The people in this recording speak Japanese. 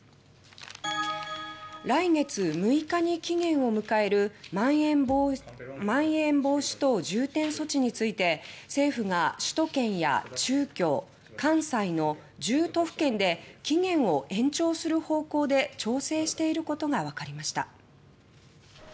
来月６日に期限を迎えるまん延防止等重点措置について政府が首都圏や中京、関西の１０都府県で期限を延長する方向で調整していることがわかりました。